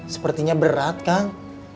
sepertinya berat kang